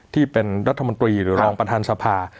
ที่เป็นรัฐมนตรีหรือรองประธานสภา